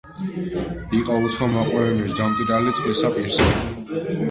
იყო უცხო მოყმე ვინმე ჯდა მტირალი წყლისა პირსა